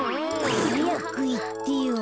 はやくいってよ。